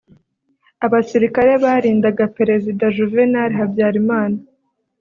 Abasirikare barindaga Perezida Juvenal Habyarimana